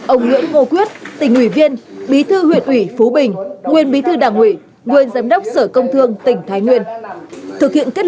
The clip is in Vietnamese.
ông nguyễn ngô quyết tỉnh ủy viên bí thư huyện ủy phú bình nguyên bí thư đảng ủy nguyên giám đốc sở công thương tỉnh thái nguyên